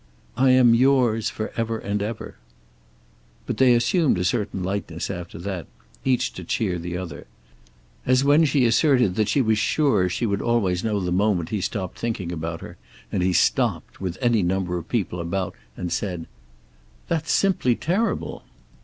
"I am yours. For ever and ever." But they assumed a certain lightness after that, each to cheer the other. As when she asserted that she was sure she would always know the moment he stopped thinking about her, and he stopped, with any number of people about, and said: "That's simply terrible!